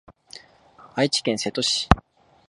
愛知県瀬戸市